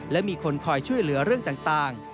และมีคนคอยช่วยเหลือเรื่องต่าง